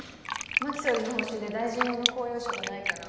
真木総理の方針で大臣用の公用車がないから。